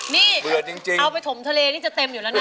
นี่เอาไปถมทะเลนี่จะเต็มอยู่แล้วนะ